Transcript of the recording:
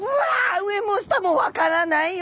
上も下も分からないよ！